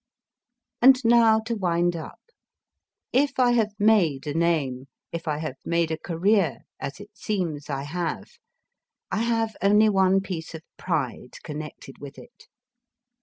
And now to wind up ; if I have made a name, if I have made a career, as it seems I have, I have only one piece of pride connected with it.